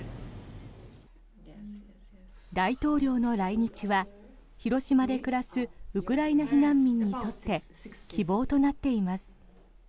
大統領の来日は、広島で暮らすウクライナ避難民にとって希望となっています。